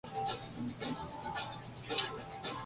ustedes beberían